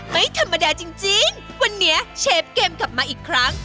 ไม่ธรรมดาจริงวันนี้เชฟเกมกลับมาอีกครั้ง